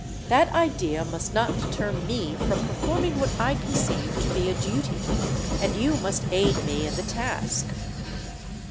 "That idea must not deter me from performing what I conceive to be a duty. And you must aid me in the task."